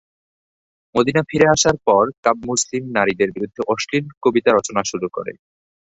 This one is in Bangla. মদিনা ফিরে আসার পর কাব মুসলিম নারীদের বিরুদ্ধে অশ্লীল কবিতা রচনা শুরু করে।